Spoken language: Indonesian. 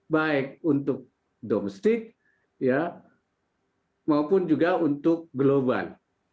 baik untuk domestik maupun juga untuk global